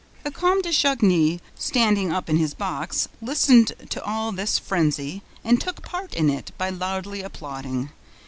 The Comte de Chagny, standing up in his box, listened to all this frenzy and took part in it by loudly applauding.